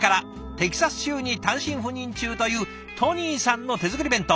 テキサス州に単身赴任中というＴＯＮＹさんの手作り弁当。